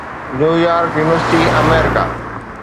نيو York university, آمريڪا